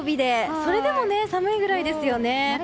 それでも寒いぐらいですよね。